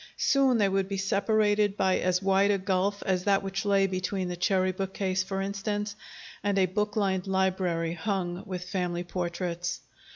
Soon they would be separated by as wide a gulf as that which lay between the cherry bookcase for instance, and a book lined library hung with family portraits.